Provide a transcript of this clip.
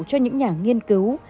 cho những nhà nghiên cứu